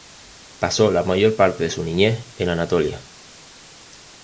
Pasó la mayor parte de su niñez en Anatolia.